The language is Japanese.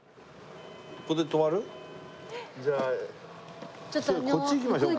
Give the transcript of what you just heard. ここで止まる？じゃあこっち行きましょうか。